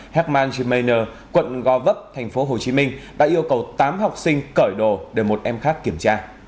heckman gemainer quận go vấp tp hcm đã yêu cầu tám học sinh cởi đồ để một em khác kiểm tra